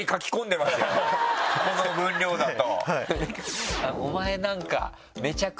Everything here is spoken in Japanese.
この文量だと。